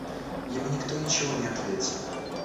Ему никто ничего не ответил.